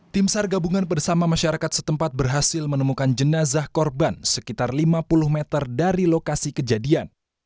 tim sar gabungan bersama masyarakat setempat berhasil menemukan jenazah korban sekitar lima puluh meter dari lokasi kejadian